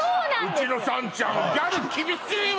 うちのさんちゃんはギャル厳しいわ！